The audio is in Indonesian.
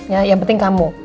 ya yang penting kamu